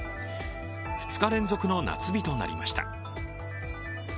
２日連続の夏日となりました。